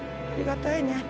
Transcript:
ありがたいね。